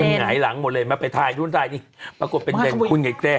เป็นไหนหลังหมดเลยมาไปถ่ายรุ่นถ่ายนี่ปรากฏเป็นเด่นคุณกับแกรน